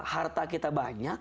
harta kita banyak